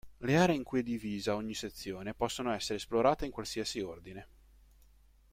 Le aree in cui è divisa ogni sezione possono essere esplorate in qualsiasi ordine.